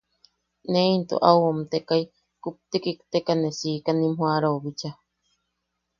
Ne into au oʼomtekai kupti kiktekai ne siika nim joʼarau bichaa.